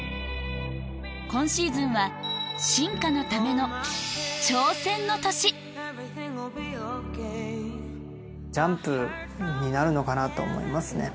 今シーズンは進化のための挑戦の年になるのかなと思いますね